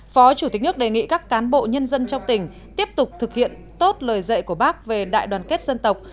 phó chủ tịch nước đề nghị các cán bộ nhân dân trong tỉnh tiếp tục thực hiện tốt lời dạy của bác về đại đoàn kết dân tộc